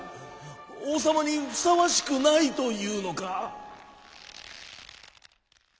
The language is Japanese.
おうさまにふさわしくないというのか？」。